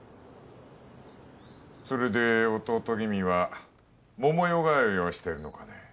それで弟君は百夜通いをしてるのかね